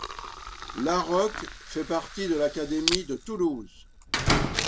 Larroque fait partie de l'académie de Toulouse.